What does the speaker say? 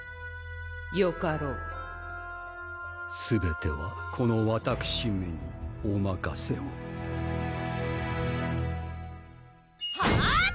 よかろう・すべてはこのわたくしめにおまかせをハァ！